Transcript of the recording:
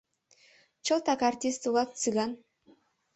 — Чылтак артист улат, Цыган!